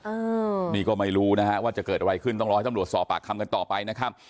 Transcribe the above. อืมนี่ก็ไม่รู้นะฮะว่าจะเกิดอะไรขึ้นต้องรอให้ตำรวจสอบปากคำกันต่อไปนะครับ